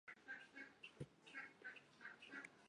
富临可以指